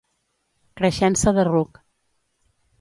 Creixença de ruc.